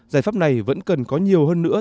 giải pháp này vẫn cần có nhiều hơn nữa